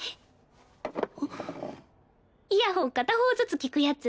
イヤホン片方ずつ聴くやつ。